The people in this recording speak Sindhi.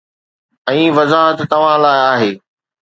۽ وضاحت توهان لاءِ آهي